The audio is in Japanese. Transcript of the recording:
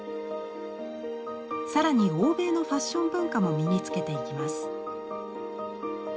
更に欧米のファッション文化も身につけていきます。